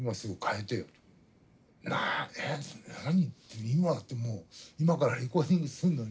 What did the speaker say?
えっ何言って今ってもう今からレコーディングするのに。